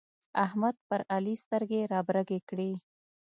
احمد پر علي سترګې رابرګې کړې.